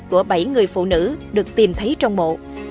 của bảy người phụ nữ được tìm thấy trong mộ